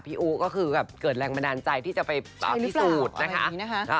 พี่อู๋ก็คือเกิดแรงบันดาลใจที่จะไปตอบที่สูตรนะคะ